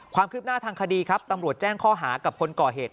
ความคืบหน้าทางคดีครับตำรวจแจ้งข้อหากับคนก่อเหตุ